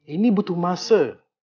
ini butuh masa